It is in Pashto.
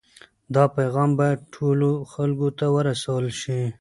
دا پیغام باید ټولو خلکو ته ورسول شي.